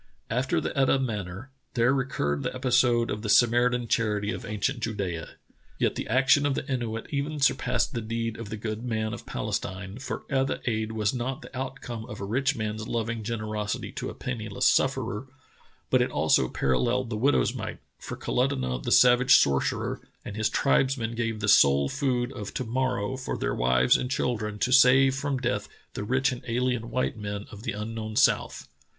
After the Etah manner, there recurred the episode of the Samaritan charity of ancient Judea. Yet the ac 136 True Tales of Arctic Heroism tion of the Inuit even surpassed the deed of the good man of Palestine, for Etah aid was not the outcome of a rich man's loving generosity to a penniless sufferer, but it also paralleled the widow's mite, for Kalutunah, the savage sorcerer, and his tribesmen gave the sole food of to morrow for their wives and children to save from death the rich and alien white men of the un known south.